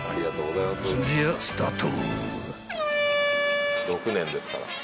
［そんじゃスタート］